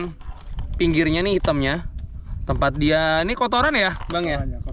ini pinggirnya nih hitamnya tempat dia ini kotoran ya bang ya